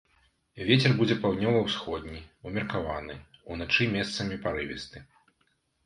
Вецер будзе паўднёва-ўсходні, умеркаваны, уначы месцамі парывісты.